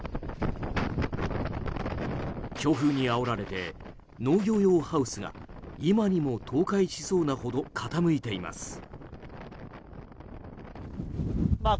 強風にあおられて農業用ハウスが今にも倒壊しそうなほど傾いています。